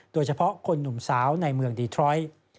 โดยเฉพาะคนหนุ่มสาวในเมืองดีทรอยด์